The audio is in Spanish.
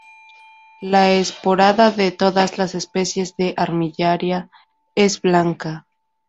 La esporada de todas las especies de "Armillaria" es blanca.